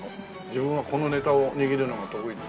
「自分はこのネタを握るのが得意です」。